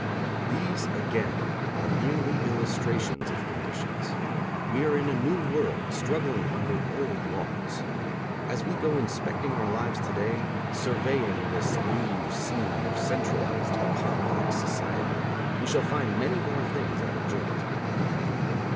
These, again, are merely illustrations of conditions. We are in a new world, struggling under old laws. As we go inspecting our lives to day, surveying this new scene of centralized and complex society, we shall find many more things out of joint.